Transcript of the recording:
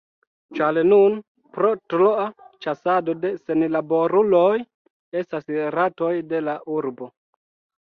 Ĉar nun, pro troa ĉasado de senlaboruloj, estas ratoj en la urbo.